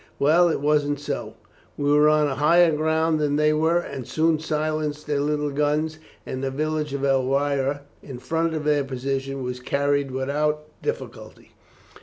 Well, it wasn't so. We were on higher ground than they were, and soon silenced their little guns; and the village of Elvira, in front of their position, was carried without difficulty.